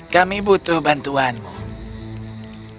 kami butuh bantuanmu